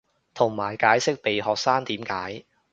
同埋解釋被學生點解